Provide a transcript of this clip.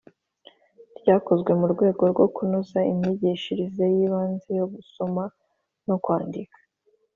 ryakozwe mu rwego rwo kunoza imyigishirize y’ibanze yo gusoma no kwandika.